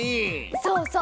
そうそう！